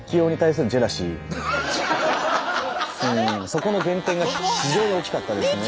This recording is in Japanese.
そこの減点が非常に大きかったですね。